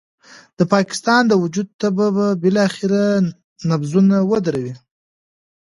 د پاکستان د وجود تبه به بالاخره نبضونه ودروي.